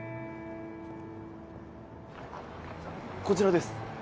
こちらです。